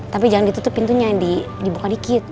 tapi jangan ditutup pintunya yang dibuka dikit